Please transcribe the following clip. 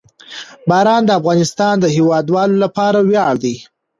باران د افغانستان د هیوادوالو لپاره ویاړ دی.